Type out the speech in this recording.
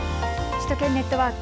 首都圏ネットワーク。